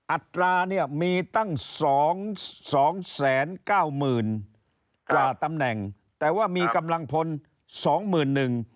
อัตราเนี่ยมีตั้งสองสองแสนเก้าหมื่นกว่าตำแหน่งแต่ว่ามีกำลังพลสองหมื่นหนึ่ง